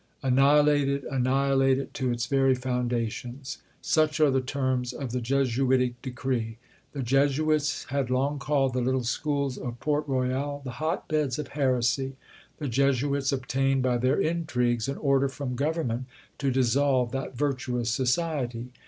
_ "Annihilate it, annihilate it, to its very foundations!" Such are the terms of the Jesuitic decree. The Jesuits had long called the little schools of Port Royal the hot beds of heresy. The Jesuits obtained by their intrigues an order from government to dissolve that virtuous society.